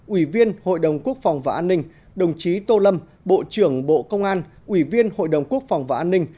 ủy viên hội đồng quốc phòng và an ninh đồng chí tô lâm bộ trưởng bộ công an ủy viên hội đồng quốc phòng và an ninh